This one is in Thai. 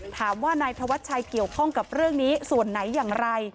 ถามว่านายธวัชชัยเกี่ยวข้องกับเรื่องนี้ส่วนไหนอย่างไร